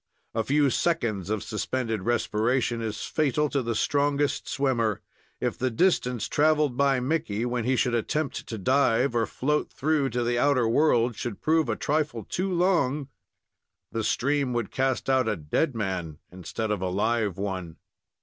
A few seconds of suspended respiration is fatal to the strongest swimmer. If the distance traveled by Mickey, when he should attempt to dive or float through to the outer world, should prove a trifle too long, the stream would cast out a dead man instead of a live one.